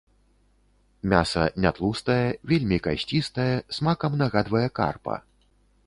Мяса нятлустае, вельмі касцістае, смакам нагадвае карпа.